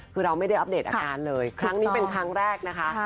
คือเราไม่ได้อัปเดตอาการเลยครั้งนี้เป็นครั้งแรกนะคะ